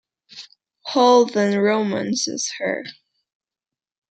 Hall then romances her.